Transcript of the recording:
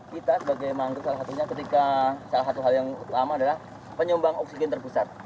kita sebagai mangrove salah satunya ketika salah satu hal yang utama adalah penyumbang oksigen terpusat